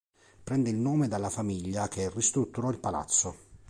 Prende il nome dalla famiglia che ristrutturò il palazzo.